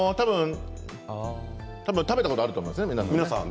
食べたことあると思うんですよね。